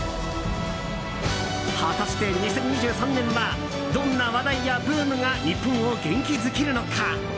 果たして２０２３年はどんな話題やブームが日本を元気づけるのか。